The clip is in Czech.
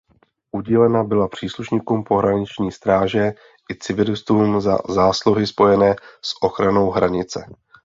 Udílena byla příslušníkům pohraniční stráže i civilistům za zásluhy spojené s ochranou hranice.